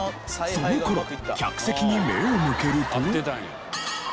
その頃客席に目を向けると。